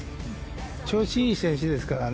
調子がいい選手ですからね。